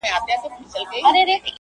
که مي د خیالونو په ټالونو کي